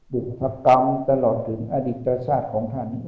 บุพพกรรมตลอดถึงอดิจจัดศาสตร์ของท่าน